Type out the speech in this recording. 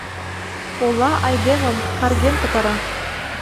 Ола айдемым карген пытара...